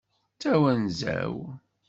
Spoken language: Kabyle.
D tawenza-w.